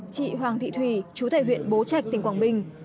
chị hoàng thị thùy chú tại huyện bố trạch tỉnh quảng bình